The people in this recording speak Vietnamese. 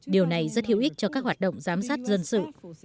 điều này rất hữu ích cho các hoạt động giám sát dân sự